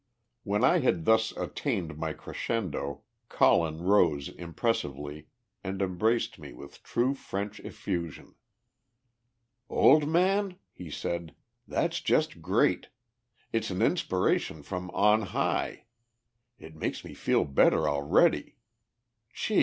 When I had thus attained my crescendo, Colin rose impressively, and embraced me with true French effusion. "Old man," he said, "that's just great. It's an inspiration from on high. It makes me feel better already. Gee!